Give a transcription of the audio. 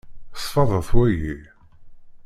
Ṣfeḍet wagi.